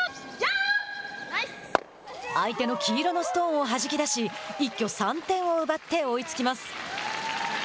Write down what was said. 相手の黄色のストーンをはじき出し一挙３点を奪って追いつきます。